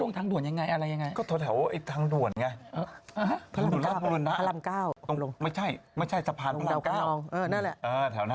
ทางดัวนอย่างไรอะไรอย่างไร